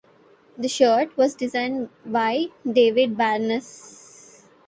The shirt was designed by David Barnes.